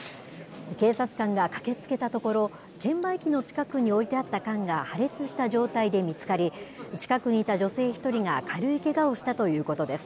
警察官が駆けつけたところ、券売機の近くに置いてあった缶が破裂した状態で見つかり、近くにいた女性１人が軽いけがをしたということです。